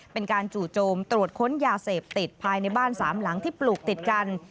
จู่โจมตรวจค้นยาเสพติดภายในบ้านสามหลังที่ปลูกติดกัน